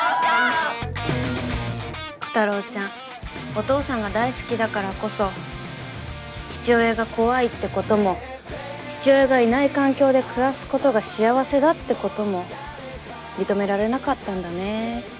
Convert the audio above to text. コタローちゃんお父さんが大好きだからこそ父親が怖いって事も父親がいない環境で暮らす事が幸せだって事も認められなかったんだね。